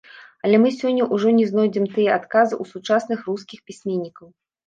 Але мы сёння ўжо не знойдзем тыя адказы у сучасных рускіх пісьменнікаў.